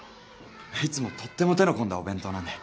いつもとっても手の込んだお弁当なんで。